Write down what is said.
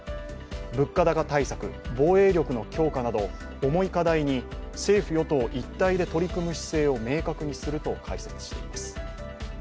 物価高対策、防衛力の強化など重い課題に政府・与党一体で取り組む姿勢を明確にすると解説しています。